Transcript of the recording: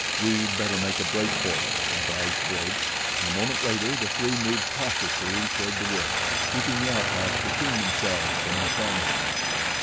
"We'd better make a break for it," advised Bridge, and a moment later the three moved cautiously toward the wood, keeping the out house between themselves and the farm house.